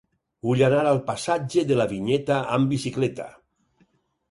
Vull anar al passatge de la Vinyeta amb bicicleta.